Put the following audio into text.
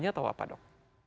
atau apa dok